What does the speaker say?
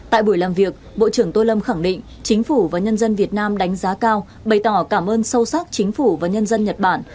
tại buổi làm việc bộ trưởng tô lâm khẳng định chính phủ và nhân dân việt nam đánh giá cao bày tỏ cảm ơn sâu sắc chính phủ và nhân dân nhật bản